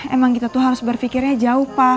emang kita tuh harus berpikirnya jauh pak